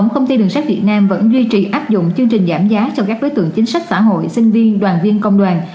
chủ sách việt nam vẫn duy trì áp dụng chương trình giảm giá cho các đối tượng chính sách xã hội sinh viên đoàn viên công đoàn